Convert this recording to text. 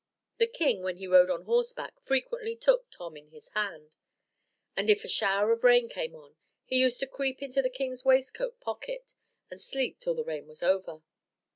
The king, when he rode on horseback, frequently took Tom in his hand; and if a shower of rain came on, he used to creep into the king's waist coat pocket, and sleep till the rain was over.